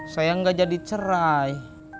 saya gak jadi cerai